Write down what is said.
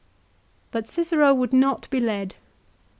But Cicero would not be led.